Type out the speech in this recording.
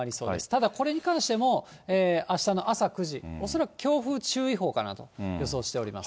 ただこれに関しても、あしたの朝９時、恐らく強風注意報かなと予想しております。